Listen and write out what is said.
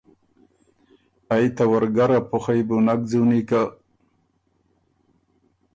ائ ته ورګر ا پُخئ بُو نک ځُونی که